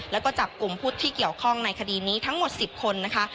แล้วก็จับกลุ่มผู้ที่เกี่ยวข้องในคดีนี้ทั้งหมด๑๐คนนะคะ